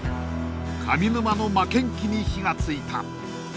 上沼の負けん気に火がついた。